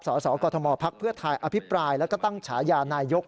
สสกมพักเพื่อไทยอภิปรายแล้วก็ตั้งฉายานายก